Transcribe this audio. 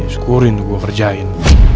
syukurin tuh gue kerjain